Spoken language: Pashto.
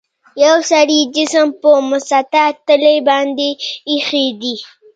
یو سړي جسم په مسطح تله باندې ایښي دي.